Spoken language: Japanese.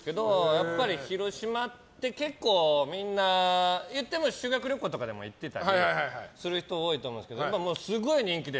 やっぱり広島って結構みんな修学旅行とかでも行ってたりする人多いと思うんですけど今、すごい人気で。